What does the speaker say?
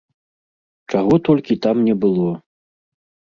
Чаго толькі там не было!